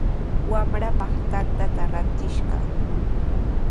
Wamraapaq tantata rantishqaa.